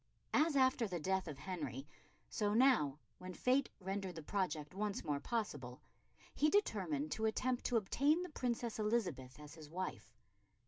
As after the death of Henry, so now when fate rendered the project once more possible, he determined to attempt to obtain the Princess Elizabeth as his wife.